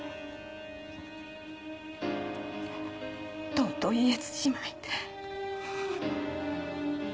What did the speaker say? とうとう言えずじまいで。